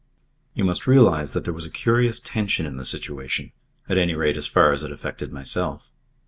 You must realise that there was a curious tension in the situation, at any rate as far as it affected myself.